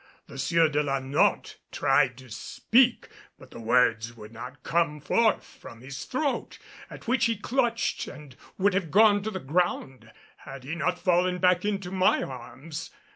The Sieur de la Notte tried to speak, but the words would not come forth from his throat, at which he clutched and would have gone to the ground had he not fallen back into my arms.